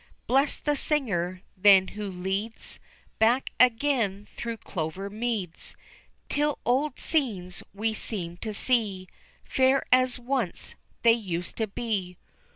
Blest the singer, then, who leads Back again through clover meads, 'Til old scenes we seem to see, Fair as once they used to be.